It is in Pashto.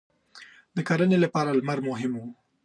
• د کرنې لپاره لمر مهم و.